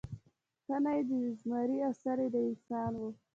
تنه یې د زمري او سر یې د انسان و.